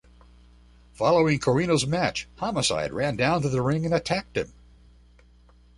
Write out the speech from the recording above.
Following Corino's match, Homicide ran down to the ring and attacked him.